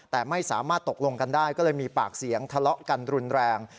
แต่ไม่สามารถตกลงกันได้ก็เลยมีปากเสียงทะเลาะกันรุนแรง